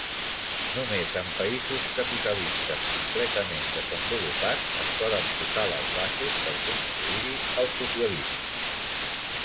Només en països capitalistes completament desenvolupats es poden posar les bases per construir-hi el socialisme.